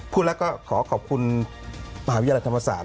พูดแล้วก็ขอขอบคุณมหาวิทยาลัยธรรมศาสต